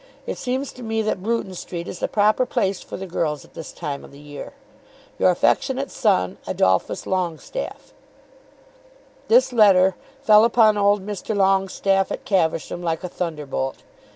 It seems to me that Bruton Street is the proper place for the girls at this time of the year. Your affectionate son, ADOLPHUS LONGESTAFFE. This letter fell upon old Mr. Longestaffe at Caversham like a thunderbolt.